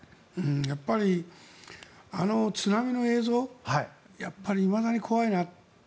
やっぱり、あの津波の映像いまだに怖いなって